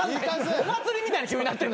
お祭りみたいに急になってる。